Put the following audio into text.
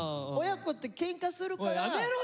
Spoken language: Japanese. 親子ってけんかするから。